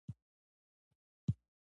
د خرڅلاو څیزونه دې ته هڅولم.